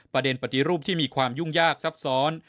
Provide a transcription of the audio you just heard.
ปฏิรูปที่มีความยุ่งยากซับซ้อน